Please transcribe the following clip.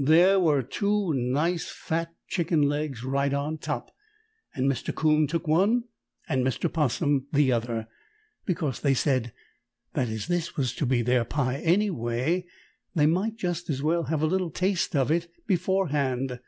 There were two nice, fat chicken legs right on top, and Mr. 'Coon took one and Mr. 'Possum the other, because they said that as this was to be their pie any way, they might just as well have a little taste of it beforehand.